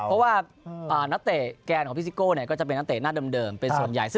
เพราะว่านักเตะแกนของพี่ซิโก้ก็จะเป็นนักเตะหน้าเดิมเป็นส่วนใหญ่